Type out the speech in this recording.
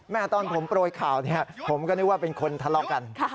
ตอนผมโปรยข่าวเนี่ยผมก็นึกว่าเป็นคนทะเลาะกัน